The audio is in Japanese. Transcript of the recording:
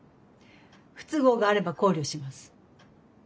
不都合があれば考慮します。